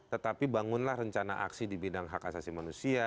tetapi bangunlah rencana aksi di bidang hak asasi manusia